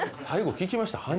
最後聞きました？